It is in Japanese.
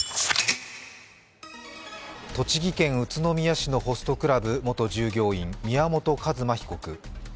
栃木県宇都宮市のホストクラブ元従業員、宮本一馬被告。